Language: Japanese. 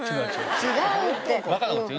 違うって。